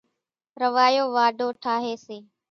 راوايو واڍو ٺاۿيَ سي۔